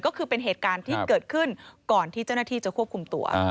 ก็คือเป็นเหตุการณ์ที่เกิดขึ้นก่อนที่เจ้าหน้าที่จะควบคุมตัว